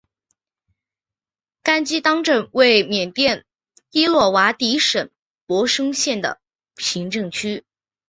甘基当镇为缅甸伊洛瓦底省勃生县的行政区。